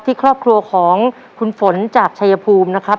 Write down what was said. ครอบครัวของคุณฝนจากชายภูมินะครับ